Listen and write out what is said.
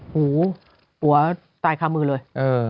หูหัวตายคามือเลย